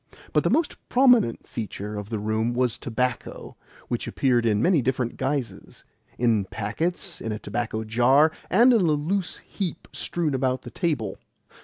But the most prominent feature of the room was tobacco, which appeared in many different guises in packets, in a tobacco jar, and in a loose heap strewn about the table.